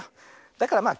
だからまあ